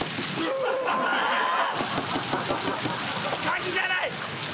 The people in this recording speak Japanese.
鍵じゃない！